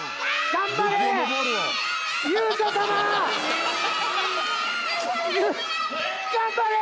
頑張れ！